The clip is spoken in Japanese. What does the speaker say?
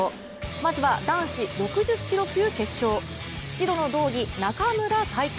まずは男子６０キロ級決勝、白の胴着、中村太樹。